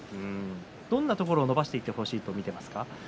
どんなところを伸ばしてほしいと見ていますか。